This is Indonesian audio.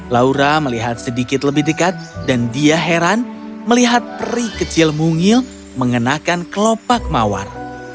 laura melihat sedikit lebih dekat dan dia heran melihat peri kecil mungil mengenakan kelopak mawar